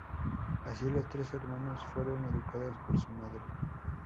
Así, los tres hermanos fueron educados por su madre.